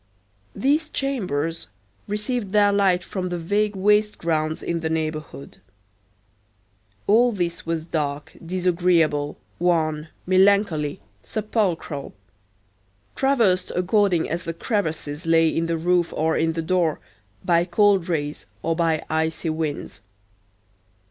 These chambers received their light from the vague waste grounds in the neighborhood. All this was dark, disagreeable, wan, melancholy, sepulchral; traversed according as the crevices lay in the roof or in the door, by cold rays or by icy winds.